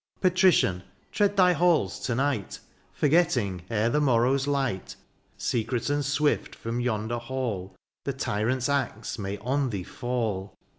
Patrician ! tread thy halls to night. Forgetting, ere the morrow's light. Secret and swift from yonder hall. The tyrant's axe may on thee fall.